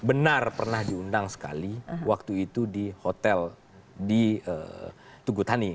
benar pernah diundang sekali waktu itu di hotel di tugutani